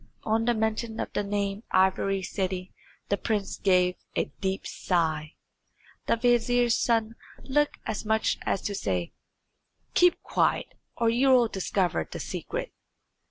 On the mention of the name Ivory City the prince gave a deep sigh. The vizier's son looked as much as to say, "Keep quiet, or you'll discover the secret."